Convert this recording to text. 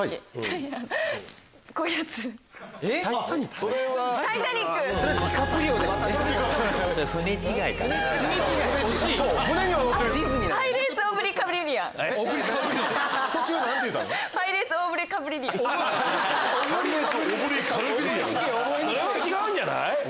それは違うんじゃない？